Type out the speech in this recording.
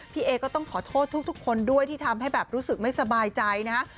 เอก็ต้องขอโทษทุกคนด้วยที่ทำให้แบบรู้สึกไม่สบายใจนะฮะ